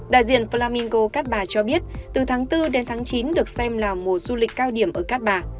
đại diện flamingco cát bà cho biết từ tháng bốn đến tháng chín được xem là mùa du lịch cao điểm ở cát bà